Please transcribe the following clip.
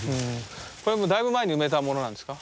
これもだいぶ前に埋めたものなんですか？